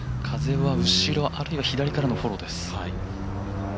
風は後ろあるいは左からのフォローです。